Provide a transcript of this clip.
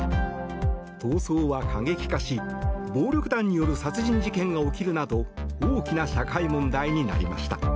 闘争は過激化し、暴力団による殺人事件が起きるなど大きな社会問題になりました。